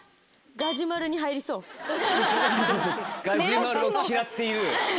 ガジュマルを嫌っている。